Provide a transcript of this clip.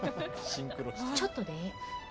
ちょっとでええ。